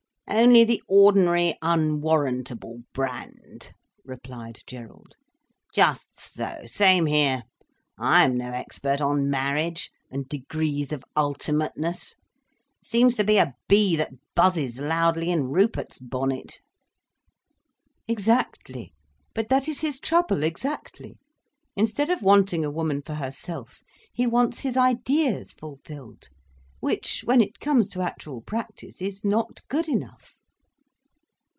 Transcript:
"Only the ordinary unwarrantable brand!" replied Gerald. "Just so—same here. I am no expert on marriage, and degrees of ultimateness. It seems to be a bee that buzzes loudly in Rupert's bonnet." "Exactly! But that is his trouble, exactly! Instead of wanting a woman for herself, he wants his ideas fulfilled. Which, when it comes to actual practice, is not good enough."